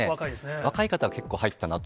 若い方が結構入ったなと。